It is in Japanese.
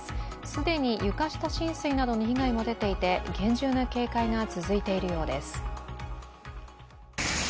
既に床下浸水などの被害も出ていて厳重な警戒が続いているようです。